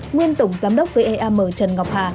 nguyên tổng giám đốc veam trần ngọc hà